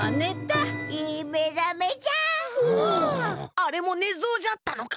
あれも寝相じゃったのか。